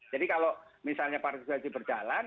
jadi kalau misalnya partisipasi berjalan